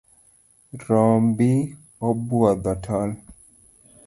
Rombi obwodho tol.